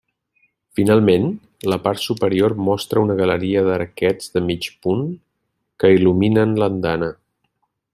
Finalment, la part superior mostra una galeria d'arquets de mig punt que il·luminen l'andana.